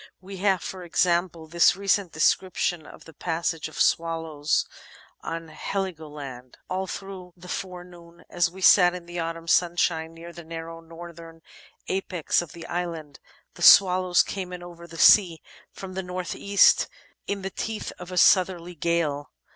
We have, for example, this recent description of the passage of swaUows on Heligoland: '"All through the forenoon, as we sat in the autumn sunshine near the narrow northern apex of the island, the swallows came in over the sea from the north east in the teeth of a southerly gale.